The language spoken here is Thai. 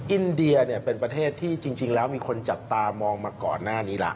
อินเดียเป็นประเทศที่จริงแล้วมีคนจับตามองมาก่อนหน้านี้ล่ะ